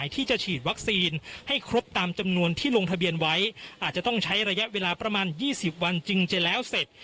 ที่ลงทะเบียนไว้อาจจะต้องใช้ระยะเวลาประมาณยี่สิบวันจึงจะแล้วเสร็จ